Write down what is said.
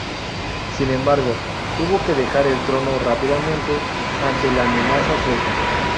Sin embargo, tuvo que dejar el trono rápidamente ante la amenaza sueca.